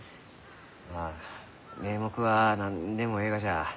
まあ名目は何でもえいがじゃ。